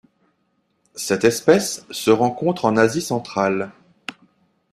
Cette espèce se rencontre en Asie centrale.